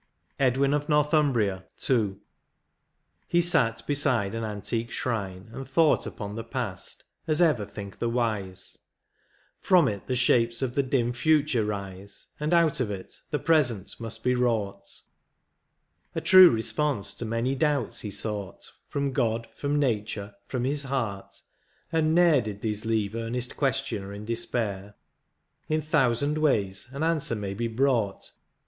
36 XVII. EDWIN OF NORTHUMBRIA. — II. He sat beside on antique shrine and thought Upon the past, as ever think the wise ; From it the shapes of the dim future rise. And out of it the present must be wrought : A true response to many doubts he sought From God, from nature, from his heart, and ne'er Did these leave earnest questioner in despair ; In thousand ways an answer may be brought.